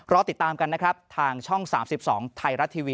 รอติดตามกันนะครับทางช่อง๓๒ไทยรัฐทีวี